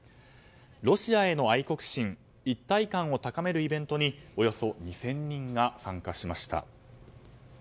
ロシアへの愛国心一体感を高めるイベントにおよそ２０００人が参加しました。